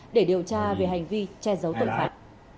để điều tra về hành vi che giấu tội phạm